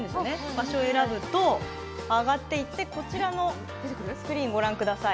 場所選ぶと上がっていって、こちらのスクリーンご覧ください。